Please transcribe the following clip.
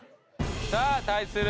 さあ対する